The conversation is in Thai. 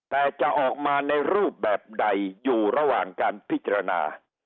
แต่จะออกมาในรูปแบบใดอยู่ระหว่างการพิจารณา